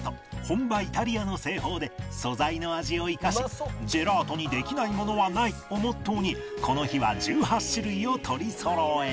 本場イタリアの製法で素材の味を生かし「ジェラートにできないものはない」をモットーにこの日は１８種類を取りそろえ